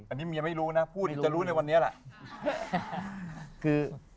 อันนี้เมียไม่รู้นะพูดจะรู้ในวันนี้แหละ